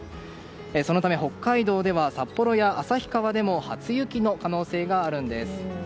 そのため、北海道では札幌や旭川でも初雪の可能性があるんです。